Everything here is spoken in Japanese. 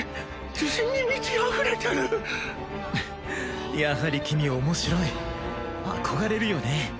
自信に満ちあふれてるやはり君面白い憧れるよね